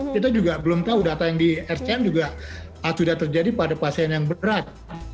kita juga belum tahu data yang di rscm juga sudah terjadi pada pasien yang berat